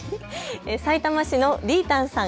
さいたま市のりーたんさん